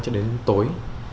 cho đến tối